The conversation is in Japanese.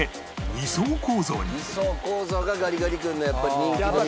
２層構造がガリガリ君のやっぱり人気の秘密。